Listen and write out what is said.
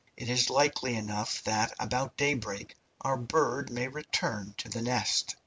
It is likely enough that about daybreak our bird may return to the nest."